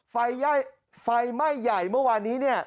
ไฟไหม้ใหญ่เมื่อวานนี้เนี่ย